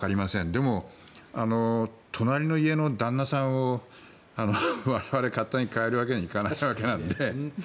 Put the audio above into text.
でも隣の家の旦那さんを我々、勝手に変えるわけにはいかないので。